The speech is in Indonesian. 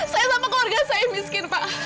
saya sama keluarga saya miskin pak